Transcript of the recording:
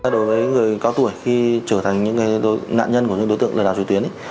đối với người cao tuổi khi trở thành những nạn nhân của những đối tượng lừa đảo truyền tuyến